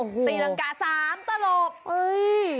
ตีรังกาสามตลก